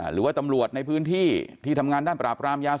หรือว่าตำรวจในพื้นที่ที่ทำงานด้านปราบรามยาม